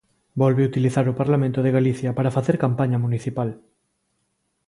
Volve utilizar o Parlamento de Galicia para facer campaña municipal.